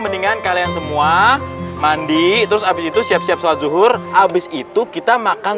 mendingan kalian semua mandi terus abis itu siap siap sholat zuhur abis itu kita makan